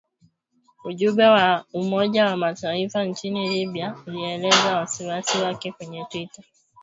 Ujumbe wa Umoja wa Mataifa nchini Libya ulielezea wasiwasi wake kwenye twitter kuhusu ripoti